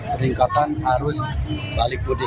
peningkatan arus balik mudik